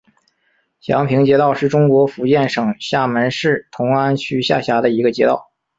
祥平街道是中国福建省厦门市同安区下辖的一个街道。